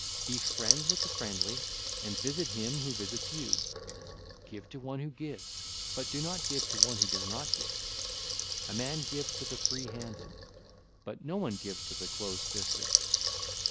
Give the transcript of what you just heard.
Be friends with the friendly, and visit him who visits you. Give to one who gives, but do not give to one who does not give. A man gives to the free handed, but no one gives to the close fisted.